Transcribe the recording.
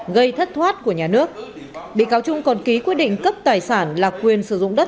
gây thất thoát của nhà nước bị cáo trung còn ký quyết định cấp tài sản là quyền sử dụng đất